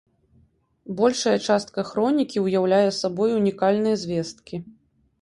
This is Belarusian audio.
Большая частка хронікі ўяўляе сабой унікальныя звесткі.